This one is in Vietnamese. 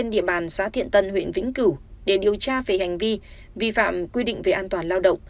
địa bàn xã thiện tân huyện vĩnh cửu để điều tra về hành vi vi phạm quy định về an toàn lao động